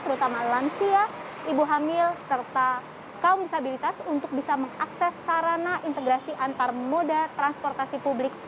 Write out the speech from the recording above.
terutama lansia ibu hamil serta kaum disabilitas untuk bisa mengakses sarana integrasi antar moda transportasi publik